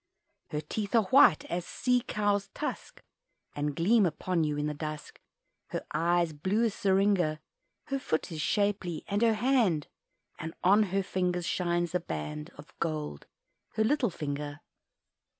Her teeth are white as sea cow's tusk, And gleam upon you in the dusk Her eyes blue as seringa; Her foot is shapely, and her hand, And on her finger shines a band Of gold her little finger!